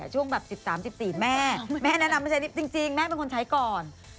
ช่วงแบบ๑๓๑๔แม่แม่แนะนำให้ใช้จริงแม่เป็นคนใช้ก่อน